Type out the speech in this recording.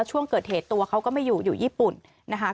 ช่วงเกิดเหตุตัวเขาก็ไม่อยู่อยู่ญี่ปุ่นนะคะ